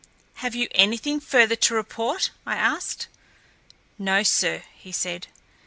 "Have you anything further to report?" I asked. "No, sir," he said.